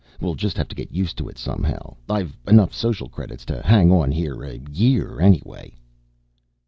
We'll just have to get used to it somehow. I've enough social credits to hang on here a year anyway."